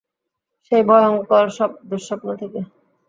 সেই ভয়ংকর দুঃস্বপ্ন থেকে।